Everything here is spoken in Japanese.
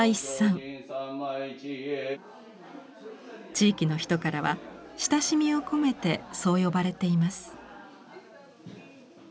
地域の人からは親しみを込めてそう呼ばれています。